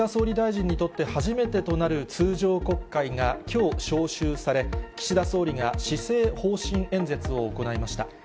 岸田総理大臣にとって初めてとなる通常国会がきょう、召集され、岸田総理が施政方針演説を行いました。